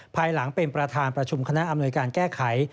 ภายหลังเป็นประธานประชุมคณะอำนวยการแก้ไข